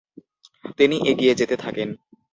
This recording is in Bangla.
তিনি এগিয়ে যেতে থাকেন।